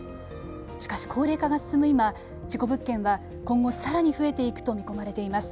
しかし高齢化が進む今事故物件は今後さらに増えていくと見込まれています。